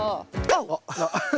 あっ！